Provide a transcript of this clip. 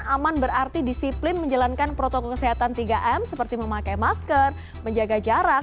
aman berarti disiplin menjalankan protokol kesehatan tiga m seperti memakai masker menjaga jarak